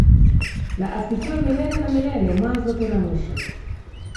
Na asifiwe milele na milele mwanzo tena mwisho.